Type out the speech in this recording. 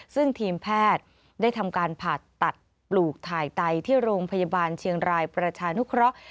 ซึ่งทีมแพทย์ได้ทำการผ่าตัดปลูกถ่ายไตที่โรงพยาบาลเชียงรายประชานุเคราะห์